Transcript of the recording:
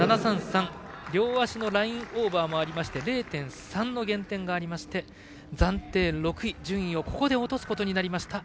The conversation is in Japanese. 両足のラインオーバーもあり０．３の減点がありまして暫定６位、順位をここで落とすことになりました。